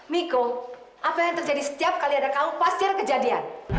miko apa yang terjadi setiap kali ada kau pasti ada kejadian